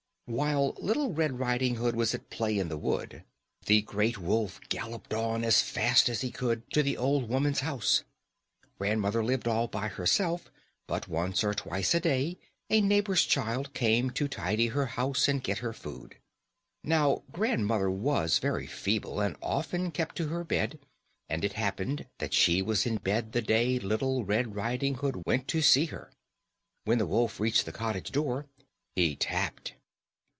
_ While Little Red Riding Hood was at play in the wood, the great wolf galloped on as fast as he could to the old woman's house. Grandmother lived all by herself, but once or twice a day a neighbour's child came to tidy her house and get her food. Now, grandmother was very feeble, and often kept her bed; and it happened that she was in bed the day Little Red Riding Hood went to see her. When the wolf reached the cottage door he tapped.